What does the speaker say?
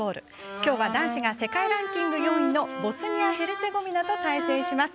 きょうは男子が世界ランキング４位のボスニア・ヘルツェゴビナと対戦します。